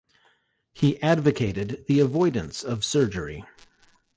He advocated the avoidance of surgery.